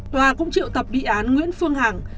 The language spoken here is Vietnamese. tòa cũng triệu tập bị án nguyễn phương hằng